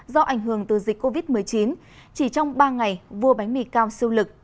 do ảnh hưởng từ dịch covid một mươi chín chỉ trong ba ngày vua bánh mì cao siêu lực